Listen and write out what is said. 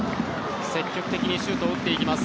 積極的にシュートを打っていきます。